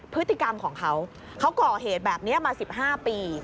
พฤติกรรมของเขาเขาก่อเหตุแบบนี้มา๑๕ปี